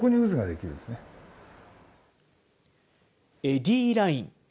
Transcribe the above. エディーライン。